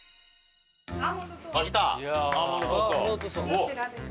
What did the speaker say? こちらです。